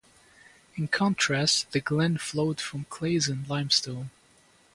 In contrast, the Glen flowed from clays and limestone.